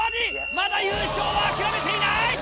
まだ優勝は諦めていない！